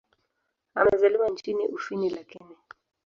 Amezaliwa nchini Ufini lakini.